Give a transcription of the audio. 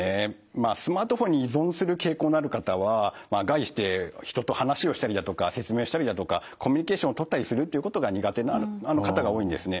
まあスマートフォンに依存する傾向のある方は概して人と話をしたりだとか説明したりだとかコミュニケーションをとったりするっていうことが苦手な方が多いんですね。